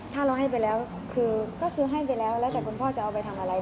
ถ้าเราให้ไปแล้วคือก็คือให้ไปแล้วแล้วแต่คุณพ่อจะเอาไปทำอะไร